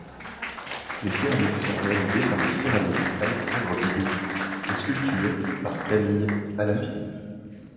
Les céramiques sont réalisées par le céramiste Alexandre Bigot, les sculptures par Camille Alaphilippe.